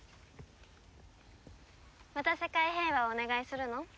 また世界平和をお願いするの？